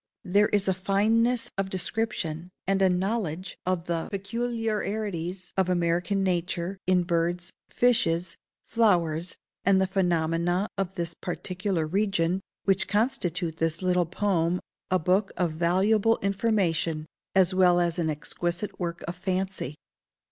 There is a fineness of description, and a knowledge of the peculiarities of American nature, in birds, fishes, flowers, and the phenomena of this particular region, which constitute this little poem a book of valuable information as well as an exquisite work of fancy.